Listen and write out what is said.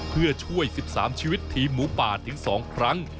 เพื่อช่วย๑๓ชีวิตทีมหมูป่าถึง๒ครั้ง